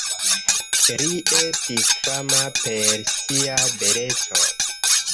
Li estis fama per sia beleco.